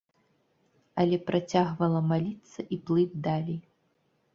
Але працягвала маліцца і плыць далей.